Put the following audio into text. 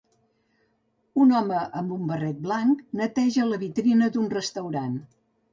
Un home amb un barret blanc neteja la vitrina d'un restaurant